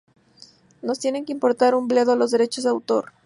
Nos tienen que importar un bledo los derechos de autor